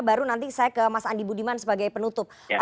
baru nanti saya ke mas andi budiman sebagai penutup